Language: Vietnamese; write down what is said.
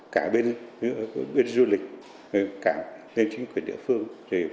cả bên du lịch cả bên chính quyền địa phương